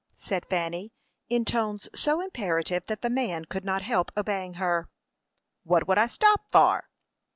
said Fanny, in tones so imperative that the man could not help obeying her. "What would I stop for?"